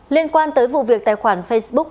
liên quan tới vụ việc tài khoản facebook